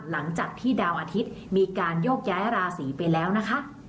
หลังจากที่ดาวอาทิตย์มีการโยกย้ายราศีไปแล้วนะคะ